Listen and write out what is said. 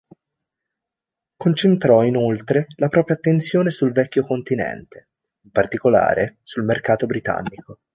Concentrò inoltre la propria attenzione sul vecchio continente, in particolare sul mercato britannico.